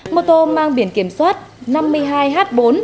mô tô mang biển kiểm soát năm mươi hai h bốn ba nghìn chín trăm chín mươi năm